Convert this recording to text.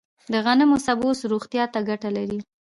د غنمو سبوس روغتیا ته ګټه لري.